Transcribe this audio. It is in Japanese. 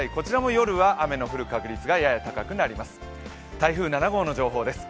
台風７号の情報です。